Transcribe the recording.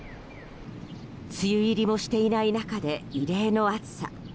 梅雨入りもしていない中で異例の暑さ。